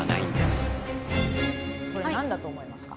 これ何だと思いますか？